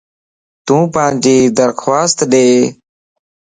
تون پانجي درخواست ڏي